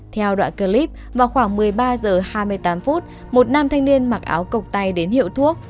theo đoạn clip vào khoảng một mươi ba h hai mươi tám phút một nam thanh niên mặc áo cộc tay đến hiệu thuốc